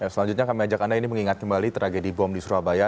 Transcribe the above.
selanjutnya kami ajak anda ini mengingat kembali tragedi bom di surabaya